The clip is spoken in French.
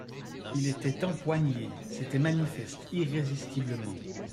Il était «empoigné», c'était manifeste, irrésistiblement.